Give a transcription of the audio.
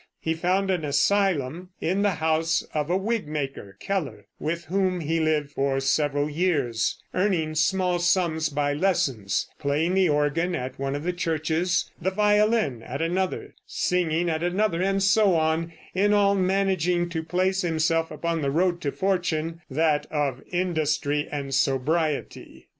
He found an asylum in the house of a wig maker, Keller, with whom he lived for several years, earning small sums by lessons, playing the organ at one of the churches, the violin at another, singing at another and so on, in all managing to place himself upon the road to fortune that of industry and sobriety.